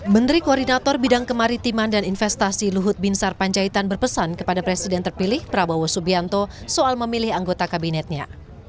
menteri koordinator bidang kemaritiman dan investasi luhut binsar panjaitan berpesan kepada presiden terpilih prabowo subianto soal memilih anggota kabinetnya